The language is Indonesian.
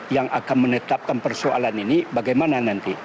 yang akan menetapkan persoalan ini bagaimana nanti